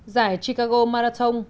giải chicago marathon